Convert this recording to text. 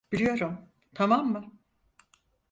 Biliyorum, tamam mı?